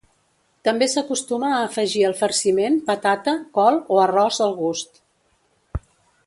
També s'acostuma a afegir al farciment patata, col o arròs al gust.